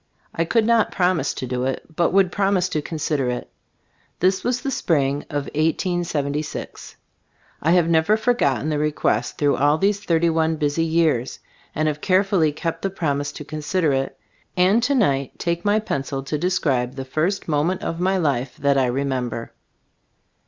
I could not promise to do it, but would promise to consider it. This was in the spring of 1876. I have never forgotten the request through all these thirty one busy years, and have carefully kept the promise to consider it; and to night take my 12 £be 5 tors ot As Gbiftbooft pencil to describe the first moment of my life that I remember.